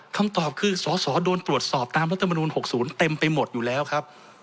คำตอบคือสสโดนตรวจสอบตามรัฐมนูล๖๐เต็มไปหมดอยู่แล้วครับ